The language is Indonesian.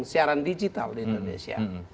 siaran digital di indonesia